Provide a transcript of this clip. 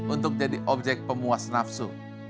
untuk jadi objek pemuas nafsu